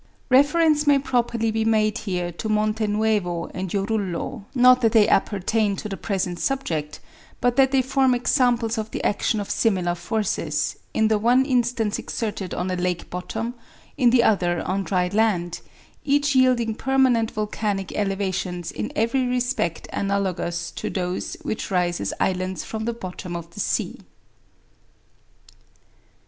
Reference may properly be made here to Monte Nuovo and Jorullo, not that they appertain to the present subject, but that they form examples of the action of similar forces, in the one instance exerted on a lake bottom, in the other on dry land, each yielding permanent volcanic elevations in every respect analogous to those which rise as islands from the bottom of the sea.